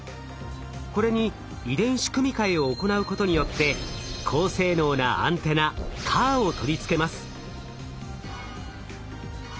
これに遺伝子組み換えを行うことによって高性能なアンテナＣＡＲを取り付けます。